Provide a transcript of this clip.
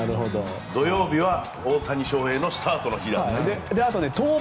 土曜日は大谷翔平のスタートの日だという。